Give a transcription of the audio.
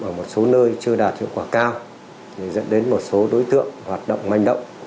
ở một số nơi chưa đạt hiệu quả cao thì dẫn đến một số đối tượng hoạt động manh động